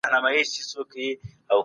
تاسي د هر هدف لپاره يوه تګلاره وټاکئ.